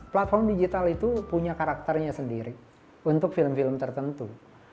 platform digital itu punya karakternya sendiri untuk film film tertentu